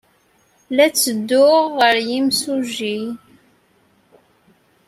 La ttedduɣ ɣer yimsujji.